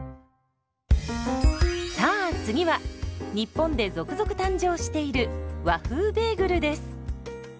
さあ次は日本で続々誕生している「和風ベーグル」です。